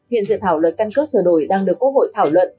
hiện dự thảo luật căn cước sửa đổi đang được quốc hội thảo luận